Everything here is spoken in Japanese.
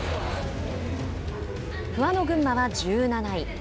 不破の群馬は１７位。